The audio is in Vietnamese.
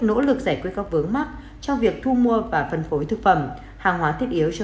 nỗ lực giải quyết các vướng mắc trong việc thu mua và phân phối thực phẩm hàng hóa thiết yếu cho